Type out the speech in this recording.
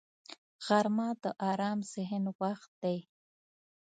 غرمه د آرام ذهن وخت دی